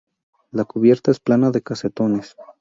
La cubierta es plana, de casetones.